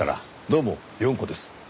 どうも４号です。